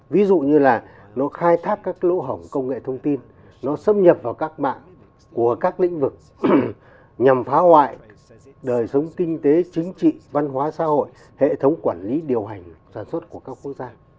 ví dụ như là nó khai thác các lỗ hổng công nghệ thông tin nó xâm nhập vào các mạng của các lĩnh vực nhằm phá hoại đời sống kinh tế chính trị văn hóa xã hội hệ thống quản lý điều hành sản xuất của các quốc gia